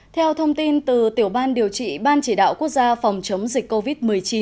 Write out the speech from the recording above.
theo thông tin từ tiểu ban điều trị ban chỉ đạo quốc gia phòng chống dịch covid một mươi chín